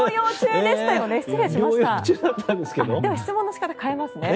では質問の仕方を変えますね。